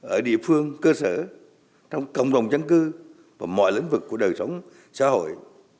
ở địa phương cơ sở trong cộng đồng dân cư và mọi lĩnh vực của đời sống xã hội